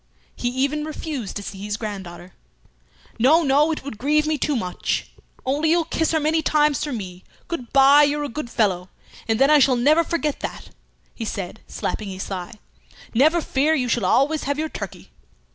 He even refused to see his granddaughter. "No, no! It would grieve me too much. Only you'll kiss her many times for me. Good bye! you're a good fellow! And then I shall never forget that," he said, slapping his thigh. "Never fear, you shall always have your turkey."